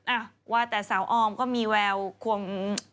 อ่ะว่าแต่สาวออมก็มีแววควง